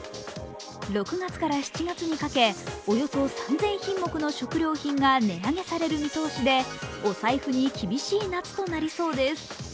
６月から７月にかけ、およそ３０００品目の食料品が値上げされる見通しでお財布に厳しい夏となりそうです。